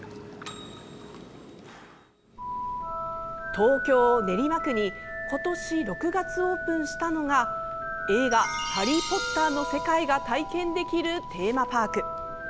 東京・練馬区に今年６月オープンしたのが映画「ハリー・ポッター」の世界が体験できるテーマパーク。